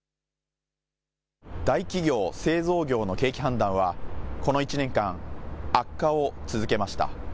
大企業製造業の景気判断はこの１年間、悪化を続けました。